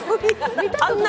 あんな